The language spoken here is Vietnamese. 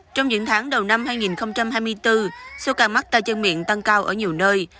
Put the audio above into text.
trong những tháng đầu năm hai nghìn hai mươi bốn số ca mắc tay chân miệng tăng cao ở nhiều nơi